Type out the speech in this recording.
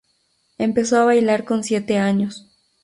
Empezó a bailar con siete años.